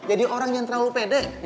jadi orang yang terlalu pede